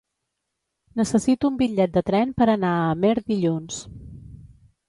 Necessito un bitllet de tren per anar a Amer dilluns.